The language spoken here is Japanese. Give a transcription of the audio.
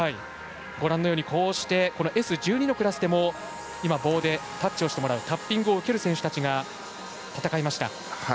ご覧のようにこうしてＳ１２のクラスでも棒でタッチをしてもらうタッピングを受ける選手たちが戦いました。